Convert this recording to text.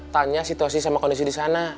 tanya situasi sama kondisi di sana